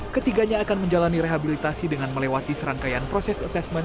ketiganya akan menjalani rehabilitasi dengan melewati serangkaian proses asesmen